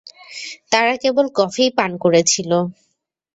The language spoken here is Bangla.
তারা কেবল কফিই পান করেছিল।